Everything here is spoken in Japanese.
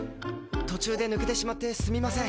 途中で抜けてしまってすみません。